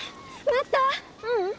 ううん。